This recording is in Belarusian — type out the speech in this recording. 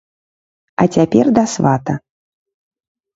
А цяпер да свата.